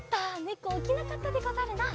ねこおきなかったでござるな。